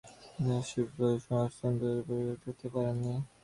তিনি রাষ্ট্রবিপ্লব ও সমাজতন্ত্রতার পক্ষপাতী হতে পারেননি।